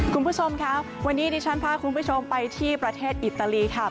คุณผู้ชมค่ะวันนี้ดิฉันพาคุณผู้ชมไปที่ประเทศอิตาลีค่ะ